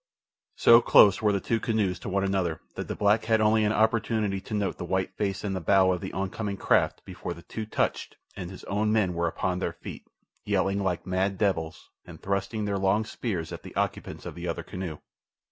So close were the two canoes to one another that the black had only an opportunity to note the white face in the bow of the oncoming craft before the two touched and his own men were upon their feet, yelling like mad devils and thrusting their long spears at the occupants of the other canoe.